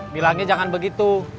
bilangnya jangan begitu